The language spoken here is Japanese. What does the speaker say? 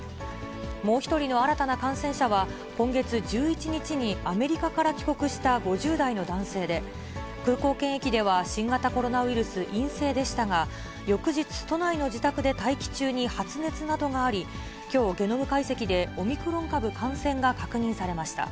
もう１人の新たな感染者は、今月１１日にアメリカから帰国した５０代の男性で、空港検疫では新型コロナウイルス陰性でしたが、翌日、都内の自宅で待機中に発熱などがあり、きょう、ゲノム解析でオミクロン株感染が確認されました。